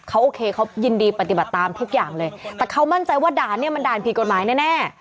เขาโอเคเขายินดีปฏิบัติตามทุกอย่างเลยแต่เขามั่นใจว่าด่านเนี่ยมันด่านผิดกฎหมายแน่แน่